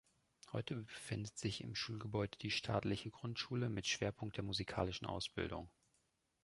Heute befindet sich im Schulgebäude die staatliche Grundschule, mit Schwerpunkt der musikalischen Ausbildung.